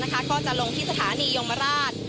ก็จะลงที่สถานียมราช